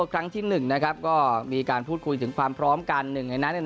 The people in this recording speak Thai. ครั้งที่๑มีการพูดคุยถึงความพร้อมกัน